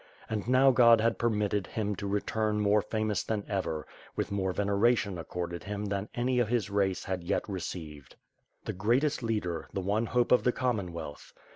And now God had permitted him to return more famous than ever, with more veneration accorded him than any of his race had yet received. The greatest leader, the one hope of the Commonwealth.